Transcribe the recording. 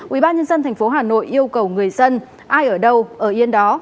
ubnd tp hà nội yêu cầu người dân ai ở đâu ở yên đó